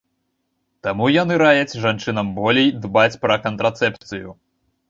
Таму яны раяць жанчынам болей дбаць пра кантрацэпцыю.